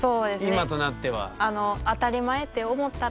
今となっては。